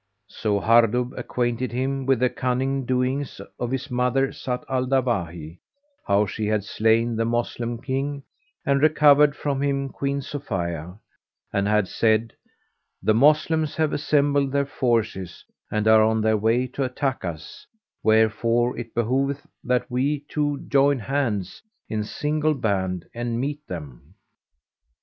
So Hardub acquainted him with the cunning doings of his mother, Zat al Dawahi, how she had slain the Moslem King and recovered from him Queen Sophia, and had said, "The Moslems have assembled their forces and are on their way to attack us, wherefore it behoveth that we two join hands in single band and meet them."